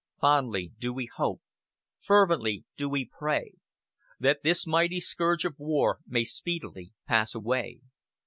Fondly do we hope fervently do we pray that this mighty scourge of war may speedily pass away.